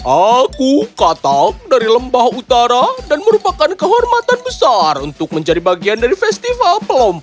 aku katak dari lembah utara dan merupakan kehormatan besar untuk menjadi bagian dari festival